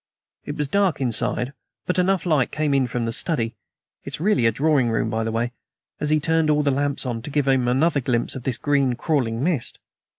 It was dark inside, but enough light came from the study it's really a drawing room, by the way as he'd turned all the lamps on, to give him another glimpse of this green, crawling mist.